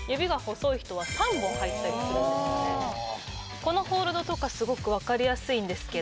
このホールドとかすごく分かりやすいんですけど。